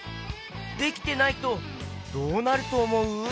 できてないとどうなるとおもう？